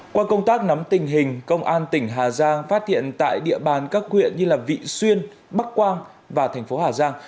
qua công tác nắm tình hình công an tỉnh hà giang phát hiện tại địa bàn các huyện như vị xuyên bắc quang và thành phố hà giang